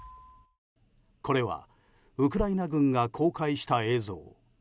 これはウクライナ軍が公開した映像。